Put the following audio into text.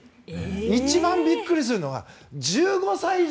一番びっくりするのは１５歳以上。